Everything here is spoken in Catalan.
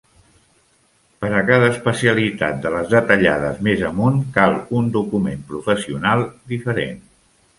Per a cada especialitat de les detallades més amunt cal un document professional diferent.